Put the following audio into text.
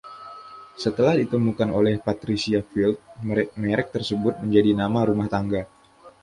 Setelah ditemukan oleh Patricia Field, merek tersebut menjadi nama rumah tangga.